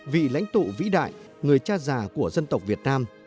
vị lãnh tụ vĩ đại người cha già của dân tộc việt nam